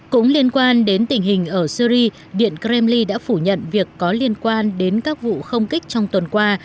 cũng liên quan đến tình hình ở syri điện kremli đã phủ nhận việc có liên quan đến các vụ không kích trong tuần qua